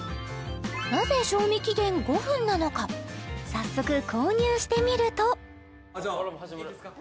なぜ賞味期限５分なのか早速購入してみるとじゃあいいですか？